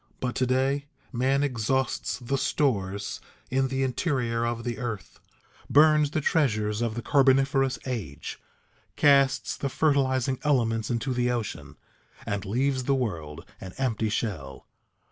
But to day, man exhausts the stores in the interior of the earth, burns the treasures of the carboniferous age, casts the fertilizing elements into the ocean, and leaves the world an empty shell.